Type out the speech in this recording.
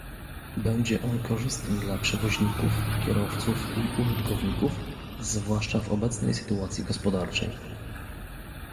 Będzie on korzystny dla przewoźników, kierowców i użytkowników, zwłaszcza w obecnej sytuacji gospodarczej